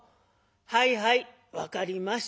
はいはい分かりました。